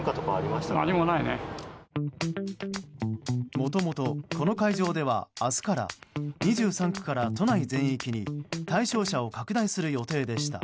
もともと、この会場では明日から２３区から都内全域に対象者を拡大する予定でした。